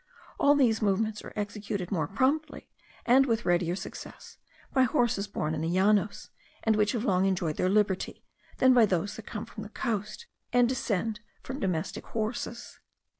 All these movements are executed more promptly, and with readier success, by horses born in the Llanos, and which have long enjoyed their liberty, than by those that come from the coast, and descend from domestic horses.